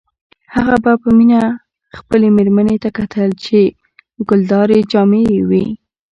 هغه به په مینه خپلې میرمنې ته کتل چې ګلدارې جامې یې وې